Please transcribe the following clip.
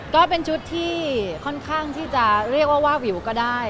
ก็เป็นชุดที่ค่อนข้างที่จะเรียกว่าวาบวิวก็ได้